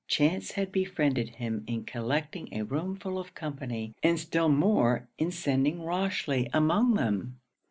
Chance had befriended him in collecting a room full of company, and still more in sending Rochely among them.